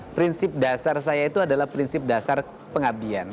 prinsip dasar saya itu adalah prinsip dasar pengabdian